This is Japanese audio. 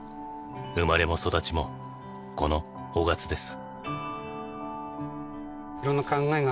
生まれも育ちもこの雄勝です。